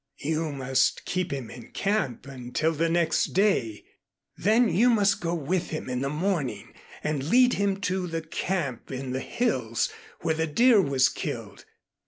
You must keep him in camp until the next day. Then you must go with him in the morning, and lead him to the camp in the hills where the deer was killed.